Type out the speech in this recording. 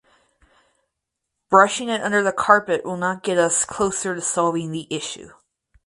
Brushing it under the carpet will not get us closer to solving the issue.